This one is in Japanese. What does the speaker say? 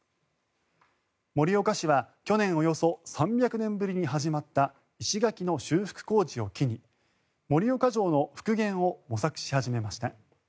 盛岡市は、去年およそ３００年ぶりに始まった石垣の修復工事を機に盛岡城の復元を模索し始めました。